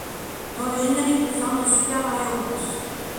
Dans le générique de fin de Super Mario Bros.